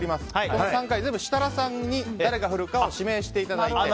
この３回全部、設楽さんに誰が振るかを指名していただいて。